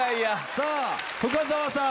さあ深澤さん